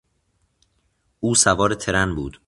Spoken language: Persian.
او سوار ترن بود.